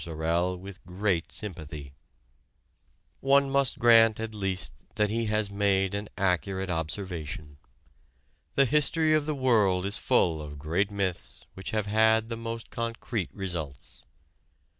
Sorel with great sympathy. One must grant at least that he has made an accurate observation. The history of the world is full of great myths which have had the most concrete results.